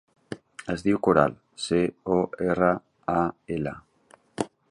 Es diu Coral: ce, o, erra, a, ela.